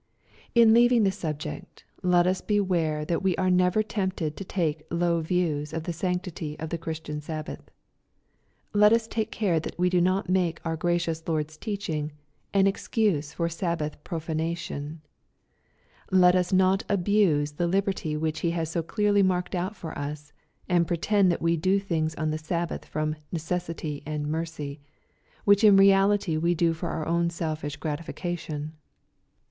In leaving the subject, let us beware that we are never tempted to take low views of the sanctity of the Chris tian Sabbath. Let us take care that we do not make our gracious Lord's teaching an excuse for Sabbath profanation. Let us not abuse the liberty which He has so clearly marked out for us, and pretend that we do things on the Sabbath from " necessity and mercy," which in reality we do for oar own selfish gratification. 124 BXPOSITOBY THOUGHTS.